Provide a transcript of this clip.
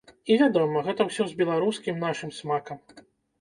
І, вядома, гэта ўсё з беларускім нашым смакам.